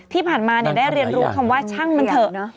ที่ผ่านมาได้เรียนรู้คำว่าช่างมันเถอะ